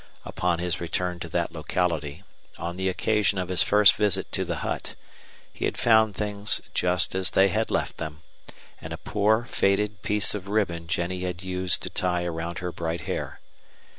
Upon his return to that locality, on the occasion of his first visit to the hut, he had found things just as they had left them, and a poor, faded piece of ribbon Jennie had used to tie around her bright hair.